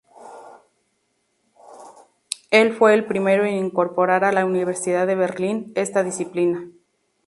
Él fue el primero en incorporar a la Universidad de Berlín esta disciplina.